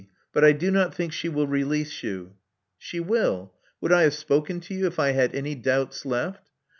But I do not think she will release you." She will. Would I have spoken to you if I had any doubts left?